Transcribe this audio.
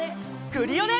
クリオネ！